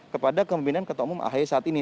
kepada pimpinan ketumum ahi saat ini